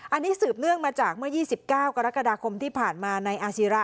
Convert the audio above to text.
อันนี้สืบเนื่องมาจากเมื่อ๒๙กรกฎาคมที่ผ่านมานายอาศิระ